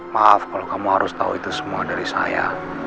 maaf kalau kamu harus tahu itu semua dari saya